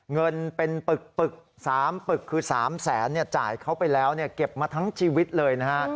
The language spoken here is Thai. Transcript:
เงินเป็นปึก๓ปึกคือ๓แสนจ่ายเขาไปแล้วเก็บมาทั้งชีวิตเลยนะฮะ